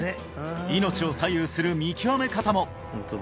命を左右する見極め方も！